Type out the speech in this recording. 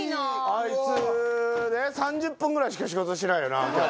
あいつ３０分ぐらいしか仕事してないよな今日。